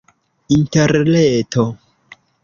interreto